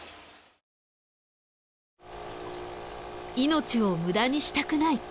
命を無駄にしたくない。